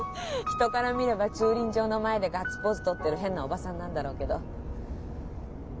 人から見れば駐輪場の前でガッツポーズとってる変なおばさんなんだろうけど。